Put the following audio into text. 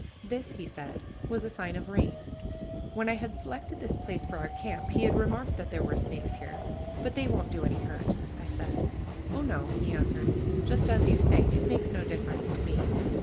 This, he said, was a sign of rain. When I had selected this place for our camp he had remarked that there were snakes there. "But they won't do any hurt," I said. "Oh, no," he answered, "just as you say; it makes no difference to me."